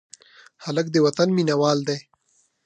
هلک د وطن مینه وال دی.